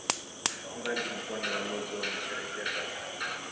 Waungaji mkono uwamuzi huo wanasherehekea kwamba